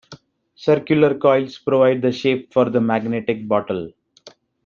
Circular coils provide the shape for the magnetic bottle.